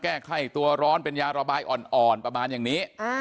แก้ไข้ตัวร้อนเป็นยาระบายอ่อนประมาณอย่างนี้